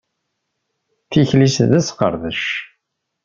Tikli-s d asqeṛdec.